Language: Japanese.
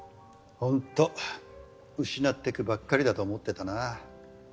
ホント失ってくばっかりだと思ってたな。